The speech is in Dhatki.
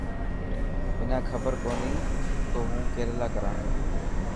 منا کبر ڪوني تو هون ڪيريلا ڪران.